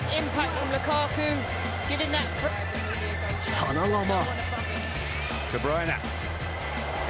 その後も。